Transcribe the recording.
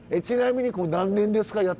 ちなみに何年ですか？